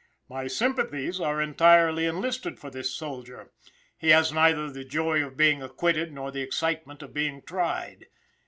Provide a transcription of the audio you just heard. My sympathies are entirely enlisted for this soldier; he has neither the joy of being acquitted, nor the excitement of being tried.